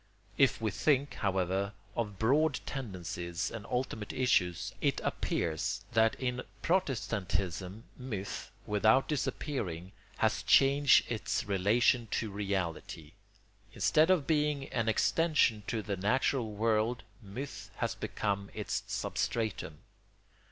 If we think, however, of broad tendencies and ultimate issues, it appears that in Protestantism myth, without disappearing, has changed its relation to reality: instead of being an extension to the natural world myth has become its substratum.